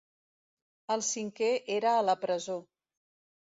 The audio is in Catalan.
El cinquè era a la presó.